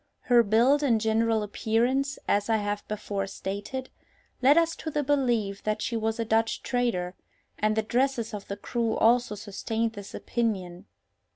Her build and general appearance, as I have before stated, led us to the belief that she was a Dutch trader, and the dresses of the crew also sustained this opinion.